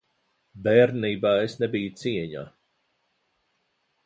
Bērnībā es nebiju cieņā.